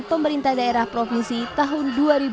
pemerintah daerah provinsi tahun dua ribu dua puluh